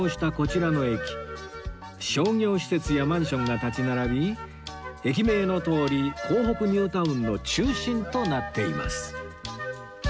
商業施設やマンションが立ち並び駅名のとおり港北ニュータウンの中心となっています